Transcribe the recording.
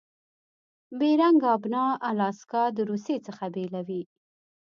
بیرنګ آبنا الاسکا د روسي څخه بیلوي.